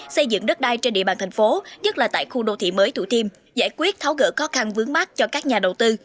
xây dựng đất đai trên địa bàn thành phố nhất là tại khu đô thị mới thủ thiêm giải quyết tháo gỡ khó khăn vướng mắt cho các nhà đầu tư